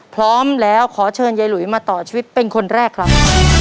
พร้อมแล้วขอเชิญยายหลุยมาต่อชีวิตเป็นคนแรกครับ